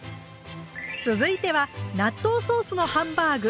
続いては納豆ソースのハンバーグ。